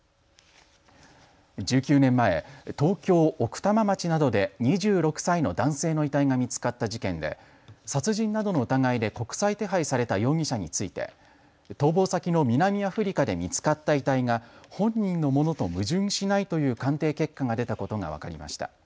１９年前、東京奥多摩町などで２６歳の男性の遺体が見つかった事件で殺人などの疑いで国際手配された容疑者について逃亡先の南アフリカで見つかった遺体が本人のものと矛盾しないという鑑定結果が出たことが分かりました。